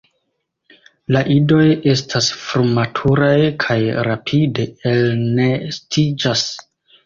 La idoj estas frumaturaj kaj rapide elnestiĝas.